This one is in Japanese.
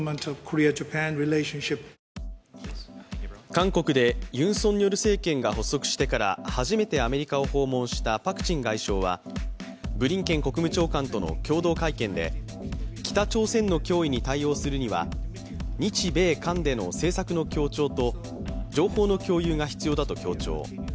韓国でユン・ソンニョル政権が発足してから初めてアメリカを訪問したパク・チン外相はブリンケン国務長官との共同会見で、北朝鮮の脅威に対応するには日米韓での政策の協調と情報の共有が必要だと強調。